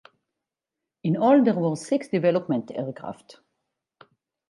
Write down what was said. In all there were six "development" aircraft.